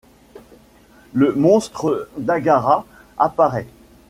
Le monstre Dagahra apparaît.